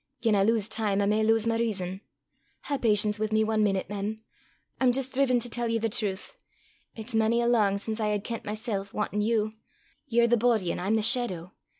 Gien I lowse time I may lowse my rizon. Hae patience wi' me ae meenute, mem; I'm jist driven to tell ye the trowth. It's mony a lang sin I hae kent mysel' wantin' you. Ye're the boady, an' I'm the shaidow.